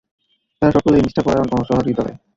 তাঁরা সকলেই নিষ্ঠাপরায়ণ ও সহৃদয়।